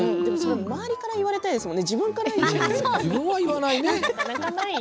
周りから言われたいですよね